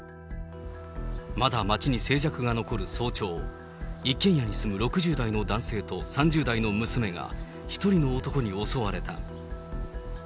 まだ街に静寂が残る早朝、一軒家に住む６０代の男性と３０代の娘が１人の男に襲われた。